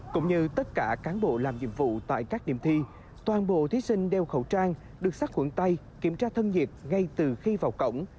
cũng như tất cả cán bộ làm nhiệm vụ tại các điểm thi toàn bộ thí sinh đeo khẩu trang được sát khuẩn tay kiểm tra thân nhiệt ngay từ khi vào cổng